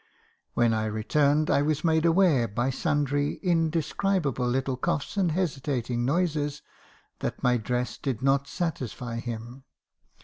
" When I returned, I was made aware, by sundry indescribable little coughs and hesitating noises, that my dress did not satisfy him.